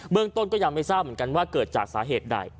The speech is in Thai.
เมืองต้นก็ยังไม่ทราบเหมือนกันว่าเกิดจากสาเหตุใด